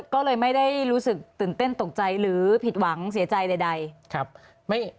ก็เลยไม่ได้รู้สึกตื่นเต้นตกใจหรือผิดหวังเสียใจใด